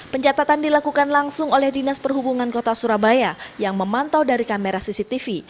pencatatan dilakukan langsung oleh dinas perhubungan kota surabaya yang memantau dari kamera cctv